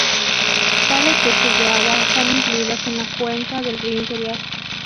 Tales cursos de agua están incluidos en la cuenca del río Imperial.